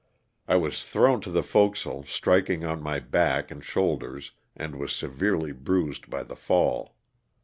I was thrown to the forecastle, striking on my back and shoulders and was severely bruised by the fall.